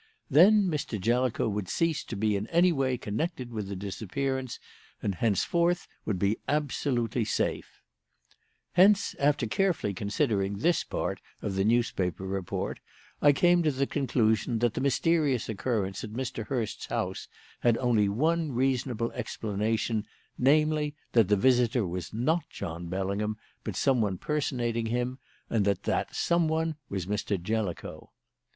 Then Mr. Jellicoe would cease to be in any way connected with the disappearance, and henceforth would be absolutely safe. "Hence, after carefully considering this part of the newspaper report, I came to the conclusion that the mysterious occurrence at Mr. Hurst's house had only one reasonable explanation, namely, that the visitor was not John Bellingham, but someone personating him; and that that someone was Mr. Jellicoe.